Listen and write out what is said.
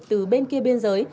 từ bên kia biên giới